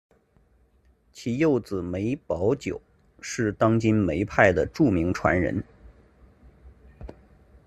其幼子梅葆玖是当今梅派的著名传人。